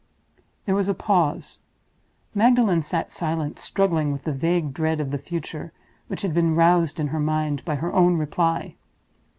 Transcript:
There was a pause. Magdalen sat silent, struggling with the vague dread of the future which had been roused in her mind by her own reply.